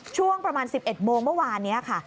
ช่วงประมาณ๑๑โมงเมื่อวานนี้ค่ะ